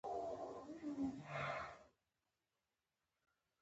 دا یې اخلاقي وظیفه ده.